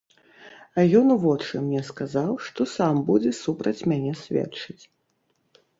А ён у вочы мне сказаў, што сам будзе супраць мяне сведчыць.